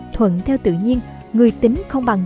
thuận theo tự nhiên người tính không bằng